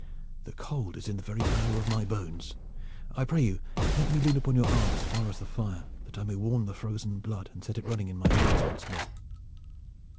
The cold is in the very marrow of my bones. I pray you, let me lean upon your arm as far as the fire, that I may warm the frozen blood and set it running in my veins once more."